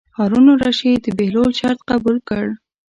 هارون الرشید د بهلول شرط قبول کړ.